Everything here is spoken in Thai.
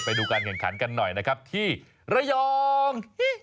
ไปดูการแข่งขันกันหน่อยนะครับที่ระยอง